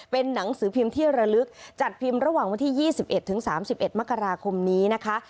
เป็นหนังสือพิมพ์ที่ระลึกจัดพิมพ์ระหว่างวันที่ยี่สิบเอ็ดถึงสามสิบเอ็ดมกราคมนี้นะคะ